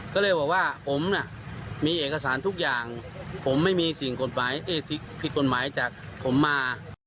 ก็เลยบอกว่าผมน่ะมีเอกสารทุกอย่างผมไม่มีสิ่งกฎหมายผิดกฎหมายจากผมมา